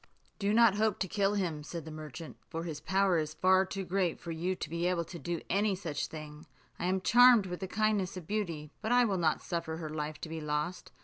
"Do not hope to kill him," said the merchant, "for his power is far too great for you to be able to do any such thing. I am charmed with the kindness of Beauty, but I will not suffer her life to be lost.